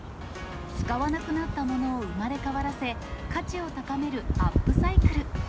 使わなくなったものを生まれ変わらせ、価値を高めるアップサイクル。